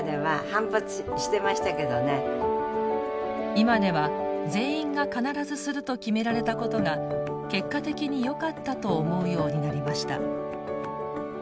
今では「全員が必ずする」と決められたことが結果的によかったと思うようになりました。